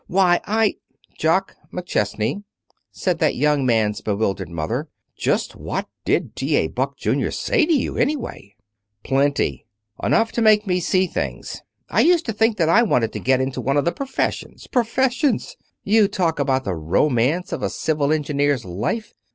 Why, I " "Jock McChesney," said that young man's bewildered mother, "just what did T. A. Buck, Junior, say to you anyway?" "Plenty. Enough to make me see things. I used to think that I wanted to get into one of the professions. Professions! You talk about the romance of a civil engineer's life!